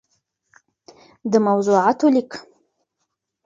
دموضوعاتو ليــک